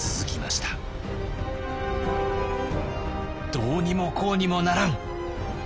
「どうにもこうにもならん！」。